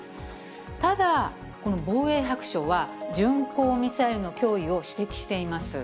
ただ、この防衛白書は、巡航ミサイルの脅威を指摘しています。